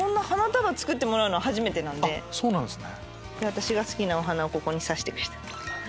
私が好きなお花をここに挿してくれた。